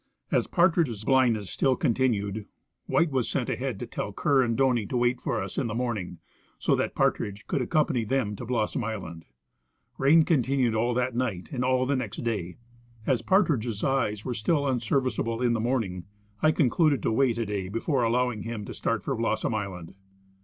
As Partridge's blindness still continued, White was sent ahead to tell Kerr and Doney to wait for us in the morning, so that Partridge could accompany them to Blossom island. Rain continued all that night and all the next day. As Partridge's eyes were still unserviceable in the morning, I con cluded to wait a day before alloAving him to start for Blossom island.